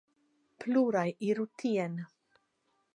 Pluraj iru tien.